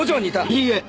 いいえ！